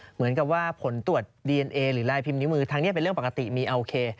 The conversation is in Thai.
เหมือนกับว่าผลตรวจดีเอนเอหรือลายพิมพ์นิ้วมือทางนี้เป็นเรื่องปกติมีโอเค